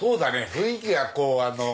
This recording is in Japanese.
雰囲気がこうあの。